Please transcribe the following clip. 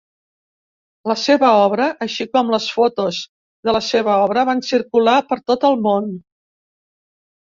La seva obra, així com les fotos de la seva obra van circular per tot el món.